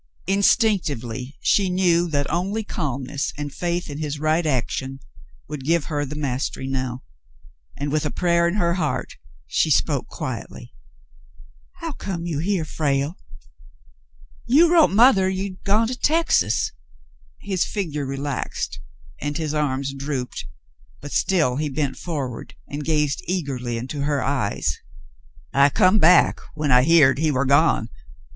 Instinctively she knew that only calmness and faith in his right action would give her the mastery now, and with a prayer in her heart she spoke quietly. "How came you here, Frale ? You wrote mother you'd gone to Texas." His figure relaxed, and his arms dropped, but still he bent forward and gazed eagerly into her eyes. Frale again Returns 259 "I come back when I heered he war gone.